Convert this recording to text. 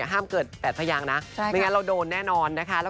ห้ามเกิด๘พยางนะไม่งั้นเราโดนแน่นอนนะคะ